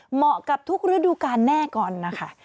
เหมาะกับทุกฤดูกาลแน่ก่อนนะคะ